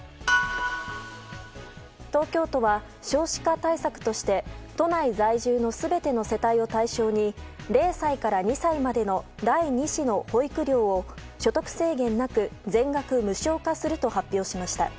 東京都は少子化対策として都内在住の全ての世帯を対象に０歳から２歳までの第２子の保育料を所得制限なく全額無償化すると発表しました。